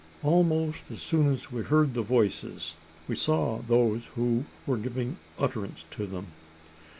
Almost as soon as we heard the voices, we saw those who were giving utterance to them.